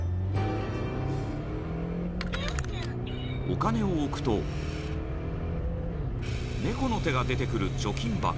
［お金を置くと猫の手が出てくる貯金箱］